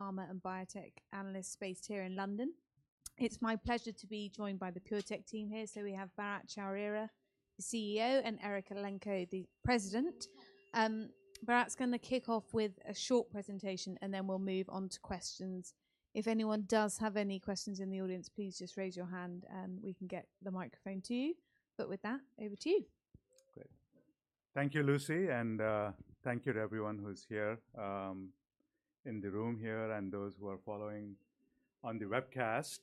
Pharma and biotech analysts based here in London. It's my pleasure to be joined by the PureTech team here. So we have Bharatt Chowrira, the CEO, and Eric Elenko, the president. Bharatt's going to kick off with a short presentation, and then we'll move on to questions. If anyone does have any questions in the audience, please just raise your hand, and we can get the microphone to you. But with that, over to you. Great. Thank you, Lucy, and thank you to everyone who's here in the room here and those who are following on the webcast.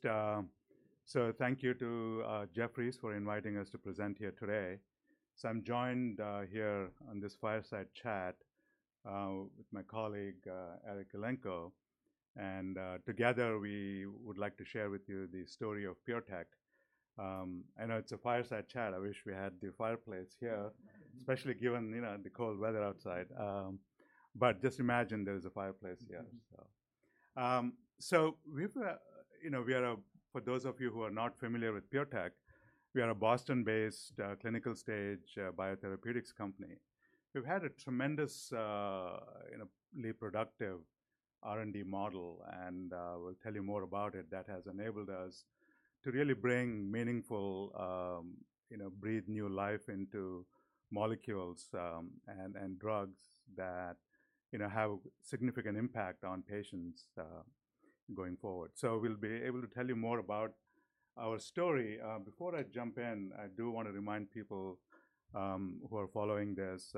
So thank you to Jefferies for inviting us to present here today. So I'm joined here on this fireside chat with my colleague, Eric Elenko. And together, we would like to share with you the story of PureTech. I know it's a fireside chat. I wish we had the fireplace here, especially given the cold weather outside. But just imagine there's a fireplace here. So we are a, for those of you who are not familiar with PureTech, we are a Boston-based clinical stage biotherapeutics company. We've had a tremendously productive R&D model, and we'll tell you more about it, that has enabled us to really bring meaningful, breathe new life into molecules and drugs that have a significant impact on patients going forward. We'll be able to tell you more about our story. Before I jump in, I do want to remind people who are following this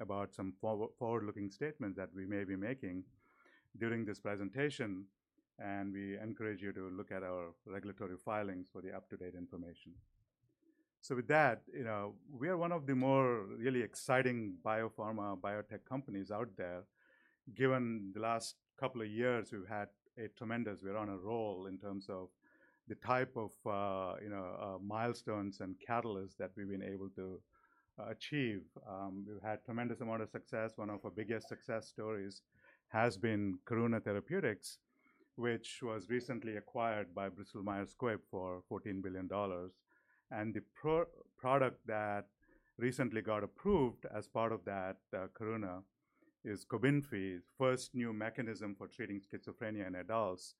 about some forward-looking statements that we may be making during this presentation. And we encourage you to look at our regulatory filings for the up-to-date information. So with that, we are one of the more really exciting biopharma biotech companies out there. Given the last couple of years, we've had a tremendous, we're on a roll in terms of the type of milestones and catalysts that we've been able to achieve. We've had a tremendous amount of success. One of our biggest success stories has been Karuna Therapeutics, which was recently acquired by Bristol Myers Squibb for $14 billion. The product that recently got approved as part of that Karuna is Cobenfy, the first new mechanism for treating schizophrenia in adults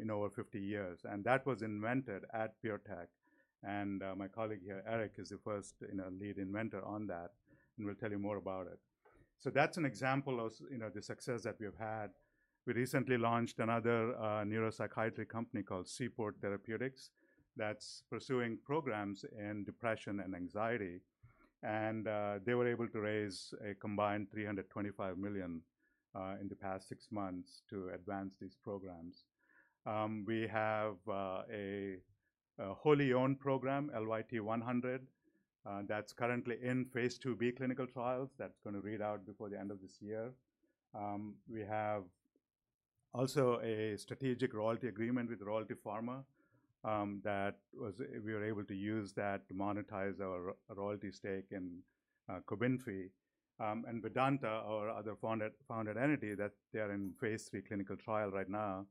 in over 50 years. That was invented at PureTech. My colleague here, Eric, is the first lead inventor on that, and we'll tell you more about it. That's an example of the success that we've had. We recently launched another neuropsychiatric company called Seaport Therapeutics that's pursuing programs in depression and anxiety. They were able to raise a combined $325 million in the past six months to advance these programs. We have a wholly owned program, LYT-100, that's currently in phase 2b clinical trials that's going to read out before the end of this year. We have also a strategic royalty agreement with Royalty Pharma that we were able to use that to monetize our royalty stake in Cobenfy and Vedanta, our other founded entity that they are in phase 3 clinical trial right now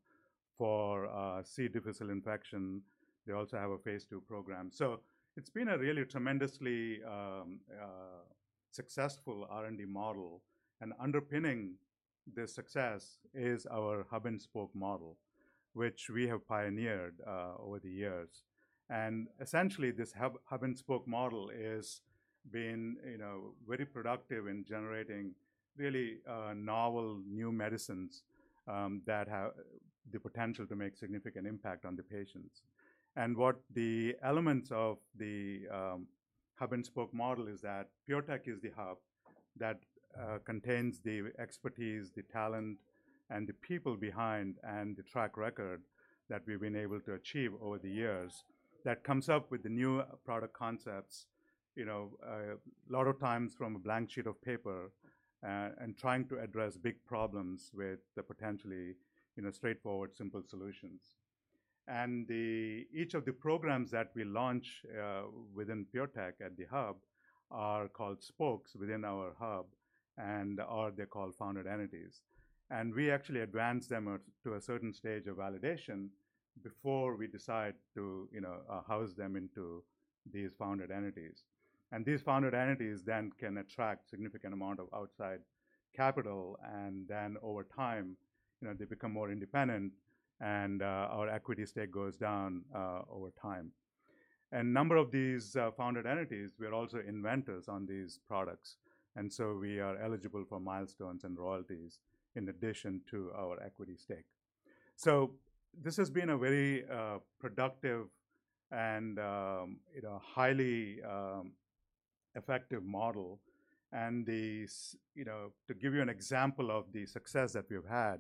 for C. difficile infection. They also have a phase 2 program. So it's been a really tremendously successful R&D model. And underpinning this success is our hub-and-spoke model, which we have pioneered over the years. And essentially, this hub-and-spoke model has been very productive in generating really novel new medicines that have the potential to make significant impact on the patients. And what the elements of the hub-and-spoke model is that PureTech is the hub that contains the expertise, the talent, and the people behind and the track record that we've been able to achieve over the years that comes up with the new product concepts a lot of times from a blank sheet of paper and trying to address big problems with the potentially straightforward, simple solutions. And each of the programs that we launch within PureTech at the hub are called spokes within our hub and are called founded entities. And we actually advance them to a certain stage of validation before we decide to house them into these founded entities. And these founded entities then can attract a significant amount of outside capital. And then over time, they become more independent, and our equity stake goes down over time. And a number of these founded entities, we are also inventors on these products. And so we are eligible for milestones and royalties in addition to our equity stake. So this has been a very productive and highly effective model. And to give you an example of the success that we've had,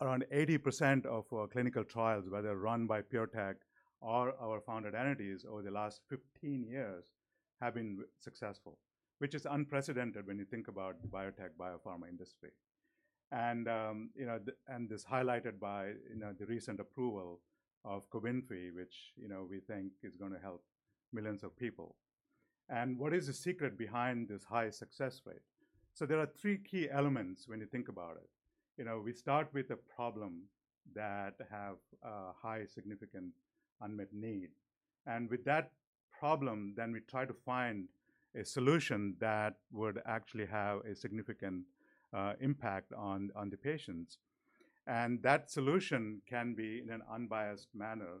around 80% of our clinical trials, whether run by PureTech or our founded entities over the last 15 years, have been successful, which is unprecedented when you think about the biotech biopharma industry. And this is highlighted by the recent approval of Cobenfy, which we think is going to help millions of people. And what is the secret behind this high success rate? So there are three key elements when you think about it. We start with a problem that has high significant unmet need. With that problem, then we try to find a solution that would actually have a significant impact on the patients. That solution can be in an unbiased manner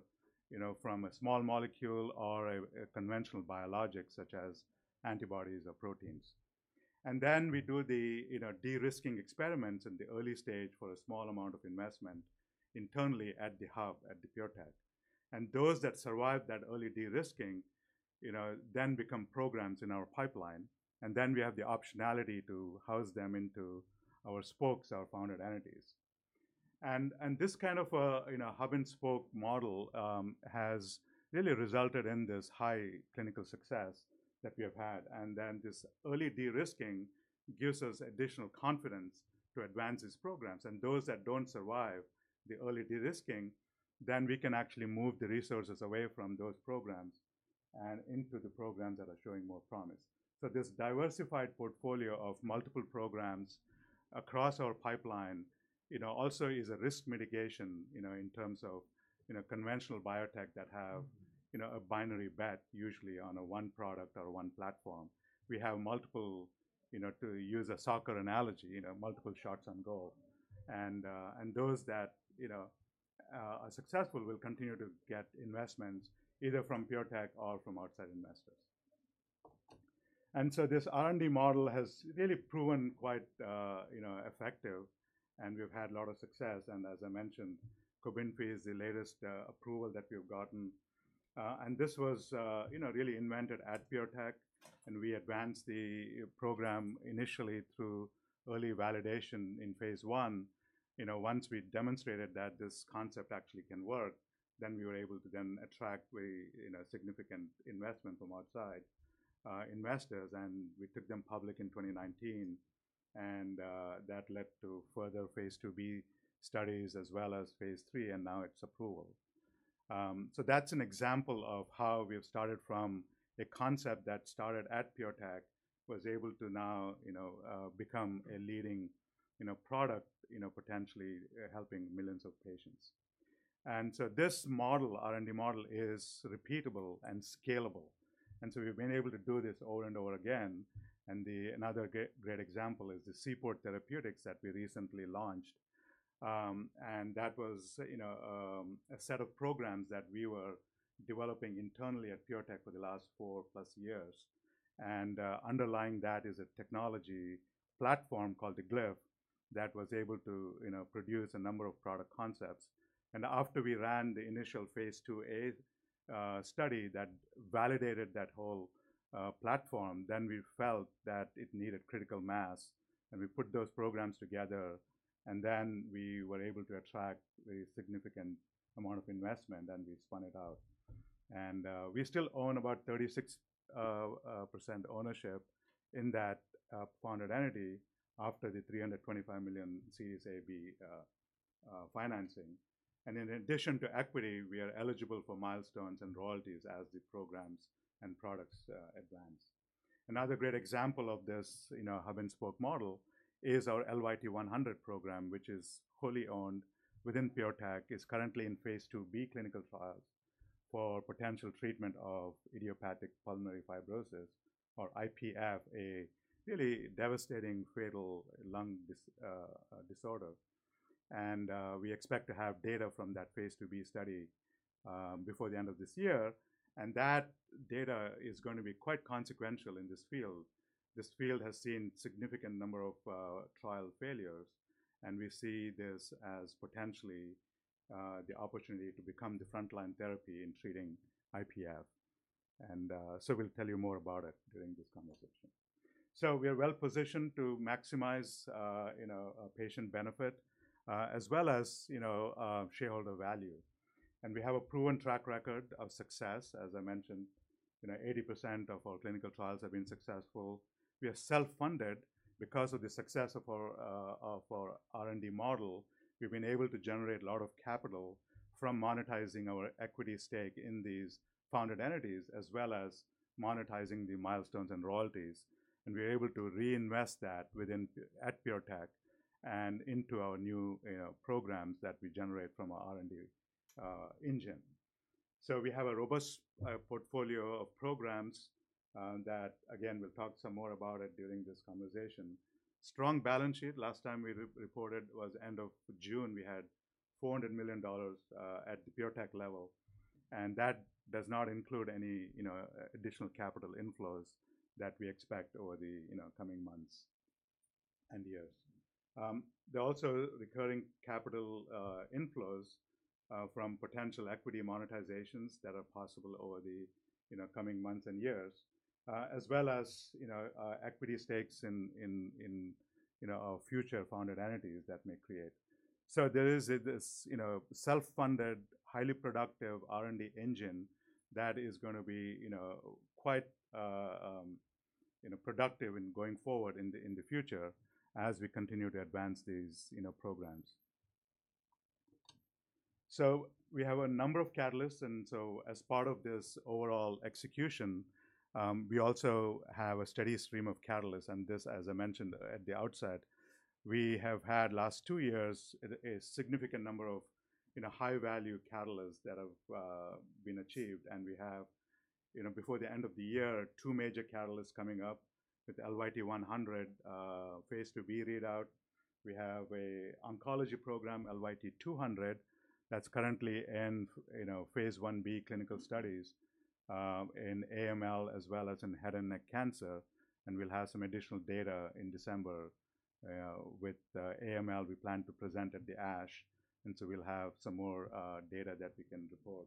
from a small molecule or a conventional biologic, such as antibodies or proteins. Then we do the de-risking experiments in the early stage for a small amount of investment internally at the hub, at the PureTech. Those that survive that early de-risking then become programs in our pipeline. Then we have the optionality to house them into our spokes, our founded entities. This kind of hub-and-spoke model has really resulted in this high clinical success that we have had. Then this early de-risking gives us additional confidence to advance these programs. Those that don't survive the early de-risking, then we can actually move the resources away from those programs and into the programs that are showing more promise. This diversified portfolio of multiple programs across our pipeline also is a risk mitigation in terms of conventional biotech that have a binary bet, usually on a one product or one platform. We have multiple, to use a soccer analogy, multiple shots on goal. Those that are successful will continue to get investments either from PureTech or from outside investors. This R&D model has really proven quite effective, and we've had a lot of success. As I mentioned, Cobenfy is the latest approval that we've gotten. This was really invented at PureTech. We advanced the program initially through early validation in phase 1. Once we demonstrated that this concept actually can work, then we were able to then attract significant investment from outside investors, and we took them public in 2019, and that led to further phase 2b studies as well as phase 3, and now it's approval, so that's an example of how we have started from a concept that started at PureTech, was able to now become a leading product, potentially helping millions of patients, and so this R&D model is repeatable and scalable, and so we've been able to do this over and over again, and another great example is the Seaport Therapeutics that we recently launched, and that was a set of programs that we were developing internally at PureTech for the last four plus years, and underlying that is a technology platform called the Glyph that was able to produce a number of product concepts. And after we ran the initial phase 2a study that validated that whole platform, then we felt that it needed critical mass. And we put those programs together. And then we were able to attract a significant amount of investment, and we spun it out. And we still own about 36% ownership in that founded entity after the $325 million Series A/B financing. And in addition to equity, we are eligible for milestones and royalties as the programs and products advance. Another great example of this hub-and-spoke model is our LYT-100 program, which is wholly owned within PureTech, is currently in phase 2b clinical trials for potential treatment of idiopathic pulmonary fibrosis, or IPF, a really devastating, fatal lung disorder. And we expect to have data from that phase 2b study before the end of this year. And that data is going to be quite consequential in this field. This field has seen a significant number of trial failures, and we see this as potentially the opportunity to become the frontline therapy in treating IPF, and so we'll tell you more about it during this conversation, so we are well positioned to maximize patient benefit as well as shareholder value, and we have a proven track record of success. As I mentioned, 80% of our clinical trials have been successful. We are self-funded. Because of the success of our R&D model, we've been able to generate a lot of capital from monetizing our equity stake in these founded entities, as well as monetizing the milestones and royalties, and we're able to reinvest that at PureTech and into our new programs that we generate from our R&D engine, so we have a robust portfolio of programs that, again, we'll talk some more about it during this conversation. Strong balance sheet. Last time we reported was end of June. We had $400 million at the PureTech level, and that does not include any additional capital inflows that we expect over the coming months and years. There are also recurring capital inflows from potential equity monetizations that are possible over the coming months and years, as well as equity stakes in our future founded entities that may create. So there is this self-funded, highly productive R&D engine that is going to be quite productive in going forward in the future as we continue to advance these programs. We have a number of catalysts, and so as part of this overall execution, we also have a steady stream of catalysts. And this, as I mentioned, at the outset, we have had last two years a significant number of high-value catalysts that have been achieved. And we have, before the end of the year, two major catalysts coming up with LYT-100 phase 2b readout. We have an oncology program, LYT-200, that's currently in phase 1b clinical studies in AML as well as in head and neck cancer. And we'll have some additional data in December. With AML, we plan to present at the ASH. And so we'll have some more data that we can report.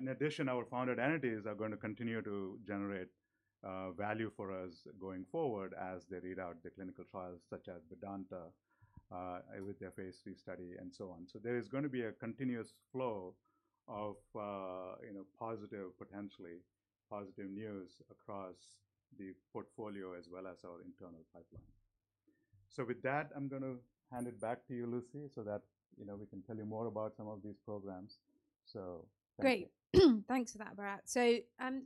In addition, our founded entities are going to continue to generate value for us going forward as they read out the clinical trials, such as Vedanta with their phase 3 study and so on. So there is going to be a continuous flow of potentially positive news across the portfolio as well as our internal pipeline. So with that, I'm going to hand it back to you, Lucy, so that we can tell you more about some of these programs. Great. Thanks for that, Bharatt. So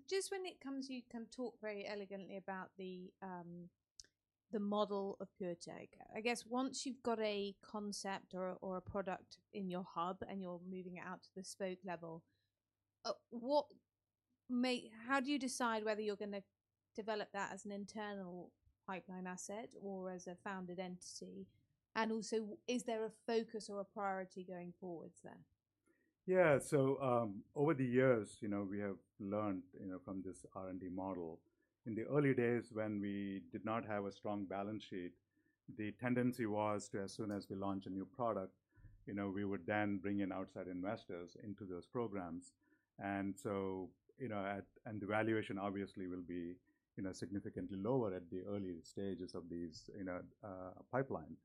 just when it comes, you can talk very elegantly about the model of PureTech. I guess once you've got a concept or a product in your hub and you're moving it out to the spoke level, how do you decide whether you're going to develop that as an internal pipeline asset or as a founded entity? And also, is there a focus or a priority going forwards there? Yeah. So over the years, we have learned from this R&D model. In the early days, when we did not have a strong balance sheet, the tendency was to, as soon as we launch a new product, we would then bring in outside investors into those programs. And the valuation obviously will be significantly lower at the early stages of these pipelines.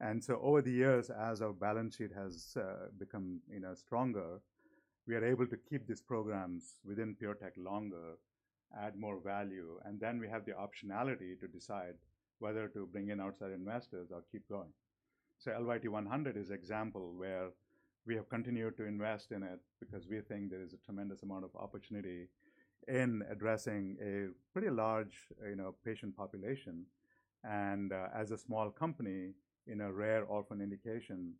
And so over the years, as our balance sheet has become stronger, we are able to keep these programs within PureTech longer, add more value. And then we have the optionality to decide whether to bring in outside investors or keep going. So LYT-100 is an example where we have continued to invest in it because we think there is a tremendous amount of opportunity in addressing a pretty large patient population. As a small company in a rare orphan indication,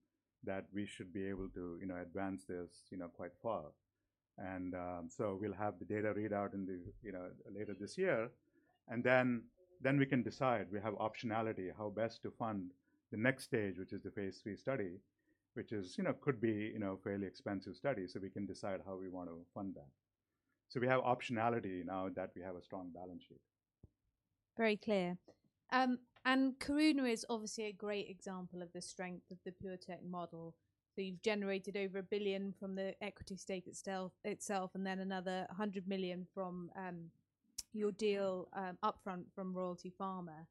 we should be able to advance this quite far. We'll have the data readout later this year. Then we can decide. We have optionality on how best to fund the next stage, which is the phase 3 study, which could be a fairly expensive study. We can decide how we want to fund that. We have optionality now that we have a strong balance sheet. Very clear. And Karuna is obviously a great example of the strength of the PureTech model. So you've generated over a billion from the equity stake itself and then another $100 million from your deal upfront from Royalty Pharma.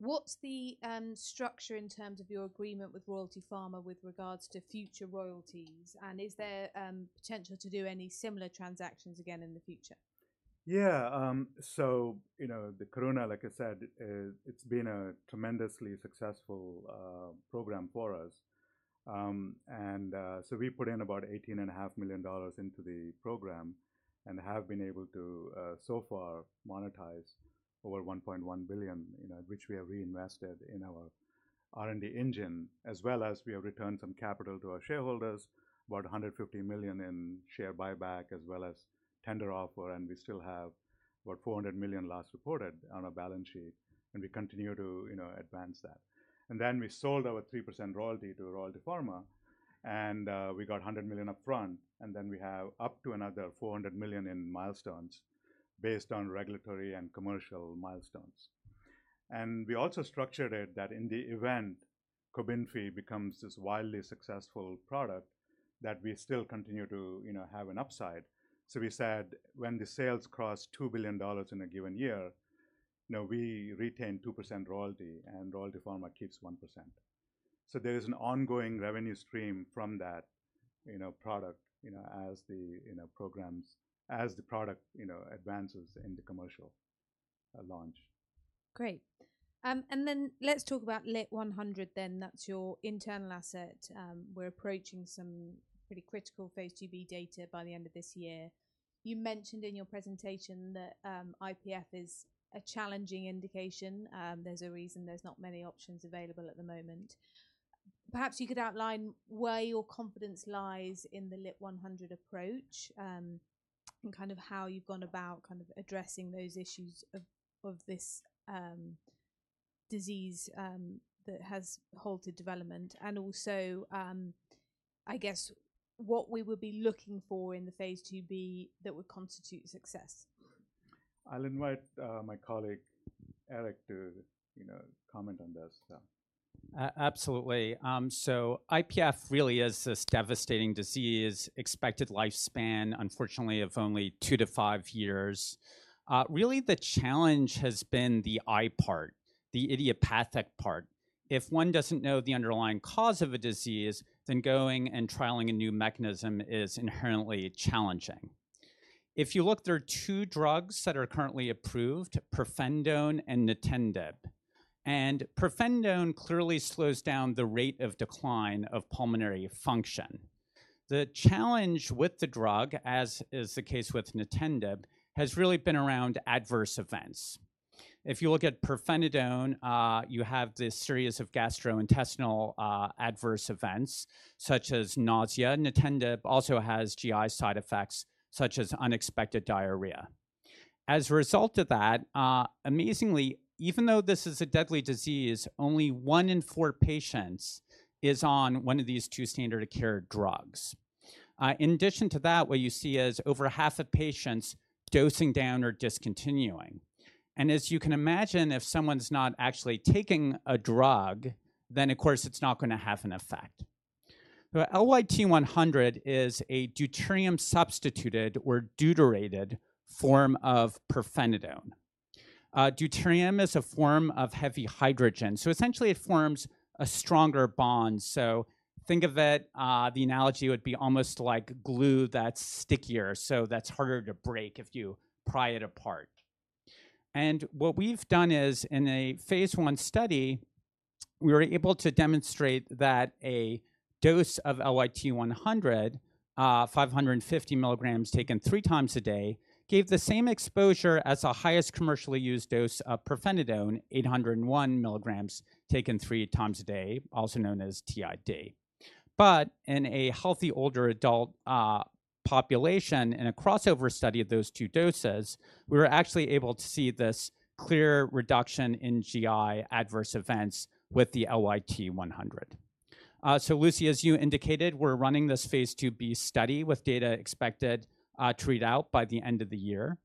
What's the structure in terms of your agreement with Royalty Pharma with regards to future royalties? And is there potential to do any similar transactions again in the future? Yeah. So the Karuna, like I said, it's been a tremendously successful program for us. And so we put in about $18.5 million into the program and have been able to, so far, monetize over $1.1 billion, which we have reinvested in our R&D engine, as well as we have returned some capital to our shareholders, about $150 million in share buyback, as well as tender offer. And we still have about $400 million last reported on our balance sheet. And we continue to advance that. And then we sold our 3% royalty to Royalty Pharma. And we got $100 million upfront. And then we have up to another $400 million in milestones based on regulatory and commercial milestones. And we also structured it that in the event Cobenfy becomes this wildly successful product, that we still continue to have an upside. So we said when the sales cross $2 billion in a given year, we retain 2% royalty and Royalty Pharma keeps 1%. So there is an ongoing revenue stream from that product as the product advances into commercial launch. Great. And then let's talk about LYT-100 then. That's your internal asset. We're approaching some pretty critical phase 2b data by the end of this year. You mentioned in your presentation that IPF is a challenging indication. There's a reason there's not many options available at the moment. Perhaps you could outline where your confidence lies in the LYT-100 approach and kind of how you've gone about kind of addressing those issues of this disease that has halted development. And also, I guess, what we would be looking for in the phase 2b that would constitute success. I'll invite my colleague Eric to comment on this. Absolutely. So IPF really is this devastating disease, expected lifespan, unfortunately, of only two to five years. Really, the challenge has been the I part, the idiopathic part. If one doesn't know the underlying cause of a disease, then going and trialing a new mechanism is inherently challenging. If you look, there are two drugs that are currently approved, pirfenidone and nintedanib. And pirfenidone clearly slows down the rate of decline of pulmonary function. The challenge with the drug, as is the case with nintedanib, has really been around adverse events. If you look at pirfenidone, you have this series of gastrointestinal adverse events, such as nausea. nintedanib also has GI side effects, such as unexpected diarrhea. As a result of that, amazingly, even though this is a deadly disease, only one in four patients is on one of these two standard of care drugs. In addition to that, what you see is over half of patients dosing down or discontinuing. As you can imagine, if someone's not actually taking a drug, then, of course, it's not going to have an effect. LYT-100 is a deuterium substituted or deuterated form of pirfenidone. Deuterium is a form of heavy hydrogen. Essentially, it forms a stronger bond. Think of it, the analogy would be almost like glue that's stickier. That's harder to break if you pry it apart. What we've done is, in a phase 1 study, we were able to demonstrate that a dose of LYT-100, 550 milligrams taken three times a day, gave the same exposure as the highest commercially used dose of pirfenidone, 801 milligrams taken three times a day, also known as TID. But in a healthy older adult population in a crossover study of those two doses, we were actually able to see this clear reduction in GI adverse events with the LYT-100. So Lucy, as you indicated, we're running this phase 2b study with data expected to read out by the end of the year.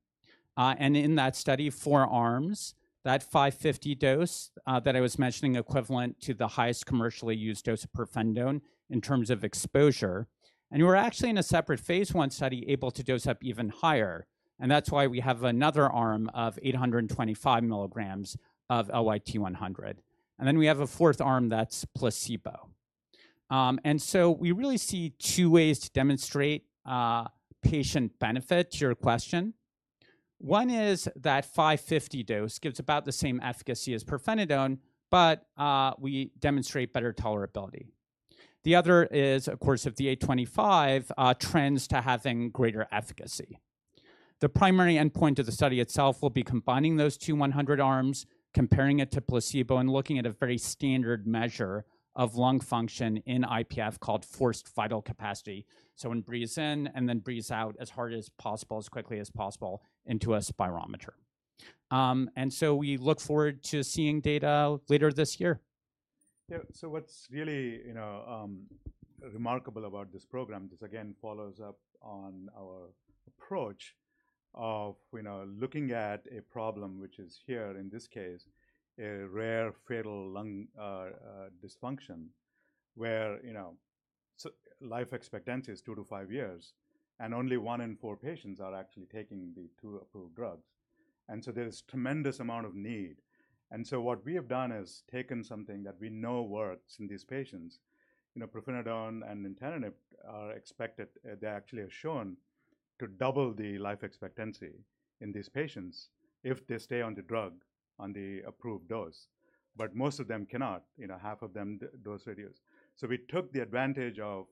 And in that study, four arms, that 550 dose that I was mentioning equivalent to the highest commercially used dose of pirfenidone in terms of exposure. And we were actually in a separate phase 1 study able to dose up even higher. And that's why we have another arm of 825 milligrams of LYT-100. And then we have a fourth arm that's placebo. And so we really see two ways to demonstrate patient benefit, to your question. One is that 550 dose gives about the same efficacy as pirfenidone, but we demonstrate better tolerability. The other is, of course, of the LYT-100 trends to having greater efficacy. The primary endpoint of the study itself will be combining those two LYT-100 arms, comparing it to placebo, and looking at a very standard measure of lung function in IPF called forced vital capacity. So when it breathes in and then breathes out as hard as possible, as quickly as possible into a spirometer. And so we look forward to seeing data later this year. Yeah. So what's really remarkable about this program, this again follows up on our approach of looking at a problem, which is here, in this case, a rare fatal lung dysfunction where life expectancy is two to five years, and only one in four patients are actually taking the two approved drugs, and so there is a tremendous amount of need, and so what we have done is taken something that we know works in these patients. pirfenidone and Nintedanib are expected, they actually are shown to double the life expectancy in these patients if they stay on the drug on the approved dose, but most of them cannot, half of them dose reduced, so we took the advantage of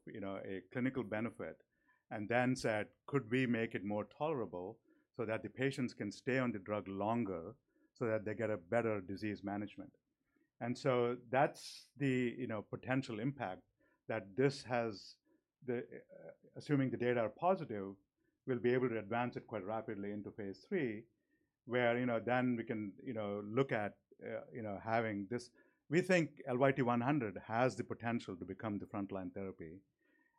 a clinical benefit and then said, could we make it more tolerable so that the patients can stay on the drug longer so that they get a better disease management? And so that's the potential impact that this has, assuming the data are positive. We'll be able to advance it quite rapidly into phase 3, where then we can look at having this. We think LYT-100 has the potential to become the frontline therapy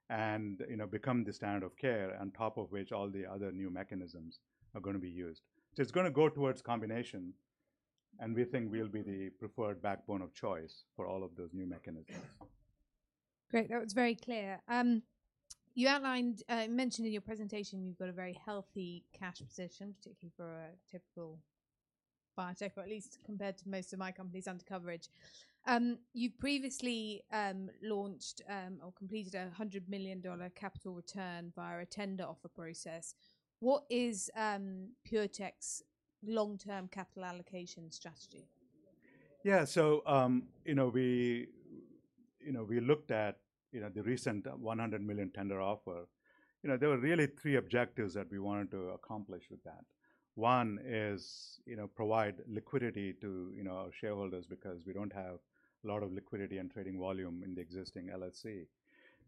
and become the standard of care, on top of which all the other new mechanisms are going to be used. So it's going to go towards combination. And we think we'll be the preferred backbone of choice for all of those new mechanisms. Great. That was very clear. You outlined, you mentioned in your presentation, you've got a very healthy cash position, particularly for a typical biotech, or at least compared to most of my company's undercoverage. You've previously launched or completed a $100 million capital return via a tender offer process. What is PureTech's long-term capital allocation strategy? Yeah. So we looked at the recent $100 million tender offer. There were really three objectives that we wanted to accomplish with that. One is provide liquidity to our shareholders because we don't have a lot of liquidity and trading volume in the existing LLC.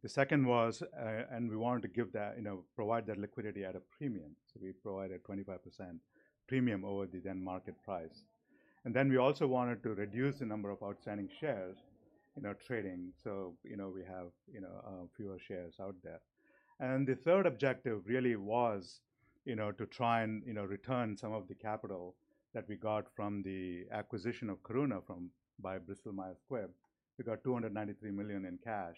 The second was, and we wanted to provide that liquidity at a premium. So we provided a 25% premium over the then market price. And then we also wanted to reduce the number of outstanding shares in our trading so we have fewer shares out there. And the third objective really was to try and return some of the capital that we got from the acquisition of Karuna by Bristol Myers Squibb. We got $293 million in cash.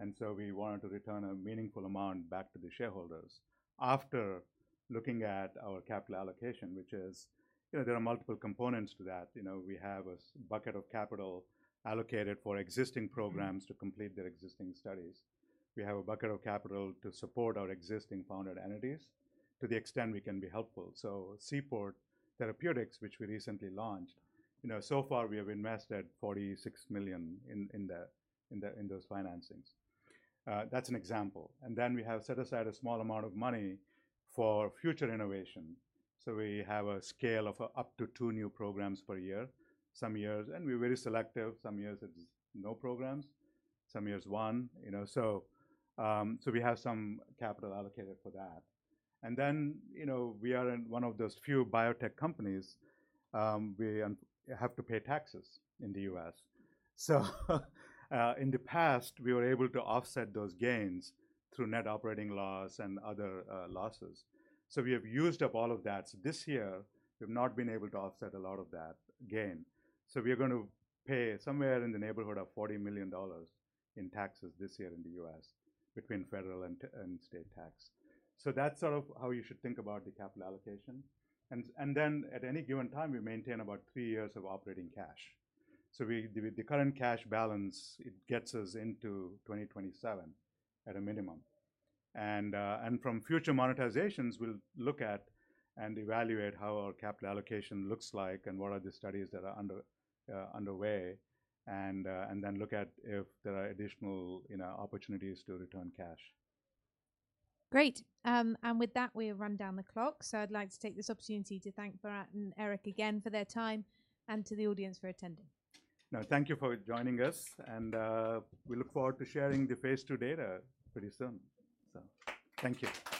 And so we wanted to return a meaningful amount back to the shareholders after looking at our capital allocation, which is there are multiple components to that. We have a bucket of capital allocated for existing programs to complete their existing studies. We have a bucket of capital to support our existing founded entities to the extent we can be helpful. So Seaport Therapeutics, which we recently launched, so far we have invested $46 million in those financings. That's an example. And then we have set aside a small amount of money for future innovation. So we have a scale of up to two new programs per year. Some years, and we're very selective. Some years, it's no programs. Some years, one. So we have some capital allocated for that. And then we are one of those few biotech companies we have to pay taxes in the U.S. So in the past, we were able to offset those gains through net operating loss and other losses. So we have used up all of that. So this year, we've not been able to offset a lot of that gain. So we are going to pay somewhere in the neighborhood of $40 million in taxes this year in the U.S. between federal and state tax. So that's sort of how you should think about the capital allocation. And then at any given time, we maintain about three years of operating cash. So the current cash balance, it gets us into 2027 at a minimum. And from future monetizations, we'll look at and evaluate how our capital allocation looks like and what are the studies that are underway, and then look at if there are additional opportunities to return cash. Great. With that, we have run down the clock. I'd like to take this opportunity to thank Bharatt and Eric again for their time and to the audience for attending. No, thank you for joining us. And we look forward to sharing the phase 2 data pretty soon. So thank you.